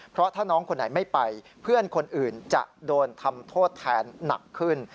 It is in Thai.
เพราะถ้าน้องคนไหนไม่ไปเพื่อนคนอื่นจะโดนทำโทษแทนหนักขึ้น